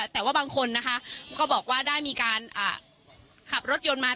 แต่ว่าบางคนนะคะก็บอกว่าได้มีการขับรถยนต์มา